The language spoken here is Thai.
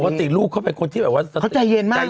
ปกติลูกเขาเป็นคนที่แบบว่าใจเย็นมาก